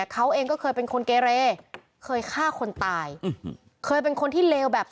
เขาเองก็เคยเป็นคนเกเรเคยฆ่าคนตายเคยเป็นคนที่เลวแบบ